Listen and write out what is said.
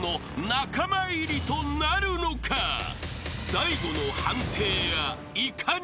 ［大悟の判定やいかに？］